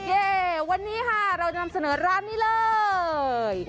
เย่วันนี้ค่ะเราจะนำเสนอร้านนี้เลย